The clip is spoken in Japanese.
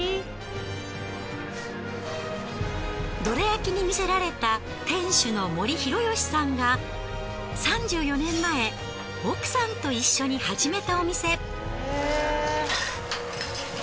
どら焼きに魅せられた店主の森廣良さんが３４年前奥さんと一緒に始めたお店。